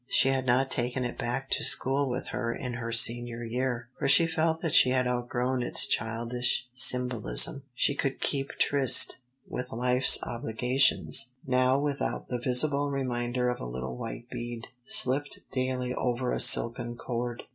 She had not taken it back to school with her in her Senior year, for she felt that she had outgrown its childish symbolism. She could "keep tryst" with life's obligations now without the visible reminder of a little white bead, slipped daily over a silken cord.